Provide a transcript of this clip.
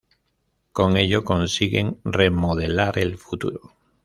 Con ello consiguen remodelar el futuro.